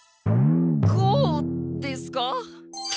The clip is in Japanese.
こうですか？